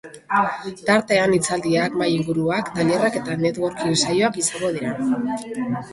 Tartean, hitzaldiak, mahai-inguruak, tailerrak eta networking-saioak izango dira.